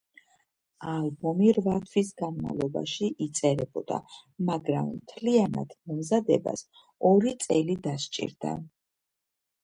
ალბომი რვა თვის განმავლობაში იწერებოდა, მაგრამ მთლიანად მომზადებას ორი წელი დასჭირდა.